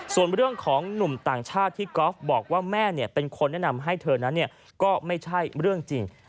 ส่วนเรื่องของหนุ่มต่างชาติที่กอล์ฟบอกว่าแม่เป็นคนแนะนำให้เธอนั้นก็ไม่ใช่เรื่องจริง